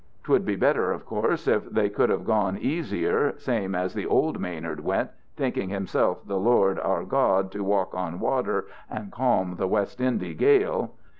'Twould be better of course if they could have gone easier, same as the old Maynard went, thinking himself the Lord our God to walk on water and calm the West Indy gale.